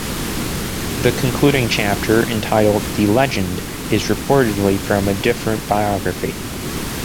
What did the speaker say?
The concluding chapter, entitled "The Legend", is reportedly from a different biography.